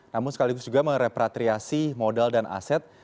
namun sekaligus juga merepatriasi modal dan aset